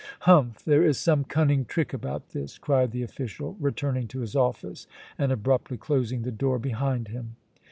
"Humph! there is some cunning trick about this!" cried the official, returning to his office and abruptly closing the door behind him.